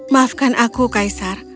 maafkan aku kaisar